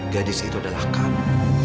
gadis itu adalah kamu